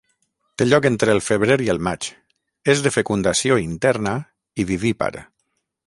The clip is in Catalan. Té lloc entre el febrer i el maig, és de fecundació interna i vivípar.